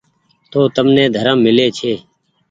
تو تمني ڌرم ميلي ڇي۔